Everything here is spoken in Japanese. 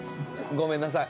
ごめんなさい。